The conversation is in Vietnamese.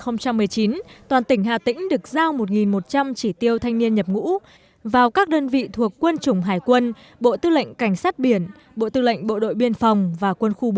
năm hai nghìn một mươi chín toàn tỉnh hà tĩnh được giao một một trăm linh chỉ tiêu thanh niên nhập ngũ vào các đơn vị thuộc quân chủng hải quân bộ tư lệnh cảnh sát biển bộ tư lệnh bộ đội biên phòng và quân khu bốn